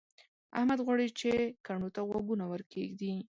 احمد غواړي چې کڼو ته غوږونه ورکېږدي.